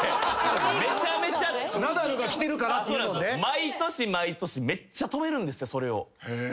毎年毎年めっちゃ止めるんですよそれを。